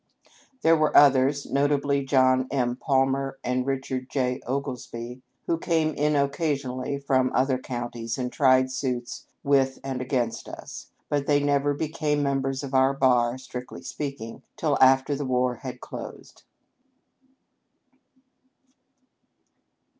There were others, notably John M. Palmer and Richard J. Oglesby, who came in occasionally from other counties and tried suits with and against us, but they never became members of our bar, strictly speaking, till after the war had closed.